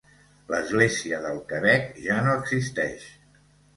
L'església del Quebec ja no existeix.